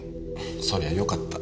そりゃよかった。